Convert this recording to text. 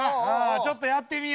ちょっとやってみようぞ。